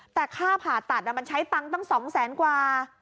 แต่ค่าผ่าตัดมันใช้ตังค์ตั้ง๒แสนกว่า